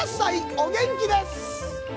お元気です。